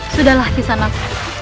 sudahlah kisah nang